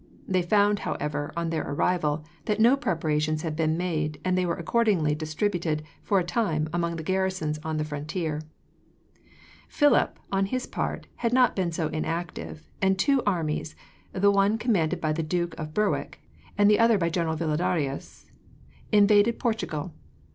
They found, however, on their arrival, that no preparations had been made, and they were accordingly distributed, for a time, among the garrisons on the frontier. "Philip, on his part, had not been so inactive, and two armies the one commanded by the Duke of Berwick, and the other by General Villadarias invaded Portugal.